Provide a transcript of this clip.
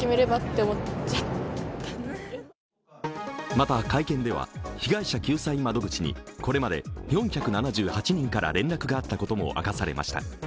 また会見では、被害者救済窓口にこれまで４７８人から連絡があったことも明かされました。